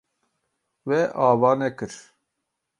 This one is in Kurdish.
We ava nekir.